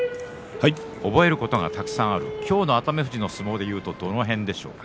覚えることがたくさんある今日の熱海富士の相撲でいうとどの辺でしょうか？